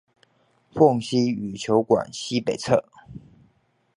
鳳西羽球館西北側